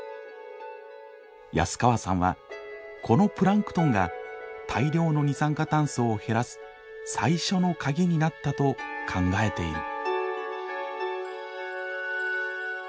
安川さんはこのプランクトンが大量の二酸化炭素を減らす最初のカギになったと考えている。